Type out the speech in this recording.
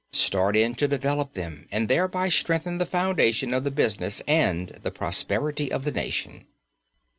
Start in to develop them and thereby strengthen the foundation of the business and the prosperity of the nation.